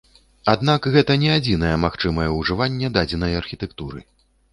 Аднак гэта не адзінае магчымае ужыванне дадзенай архітэктуры.